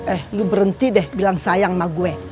eh lu berhenti deh bilang sayang sama gue